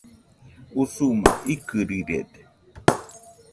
Usuma ikɨrirede